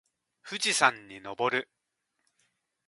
富士山に登る